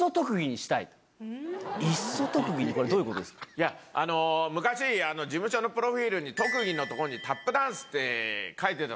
いやあの昔事務所のプロフィールに特技のとこに「タップダンス」って書いてたんですよ。